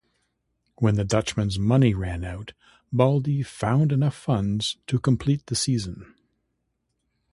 When the Dutchman's money ran out Baldi found enough funds to complete the season.